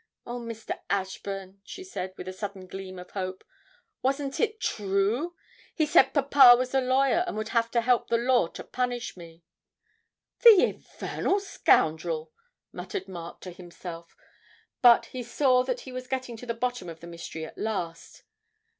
Oh, Mr. Ashburn,' she said, with a sudden gleam of hope, 'wasn't it true? He said papa was a lawyer, and would have to help the law to punish me ' 'The infernal scoundrel!' muttered Mark to himself, but he saw that he was getting to the bottom of the mystery at last.